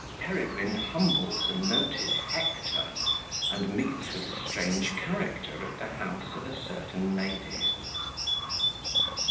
Peregrine humbles a noted Hector, and meets with a strange Character at the House of a certain Lady.